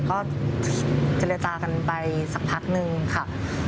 ก็เจรจากันไปสักพักนึงค่ะ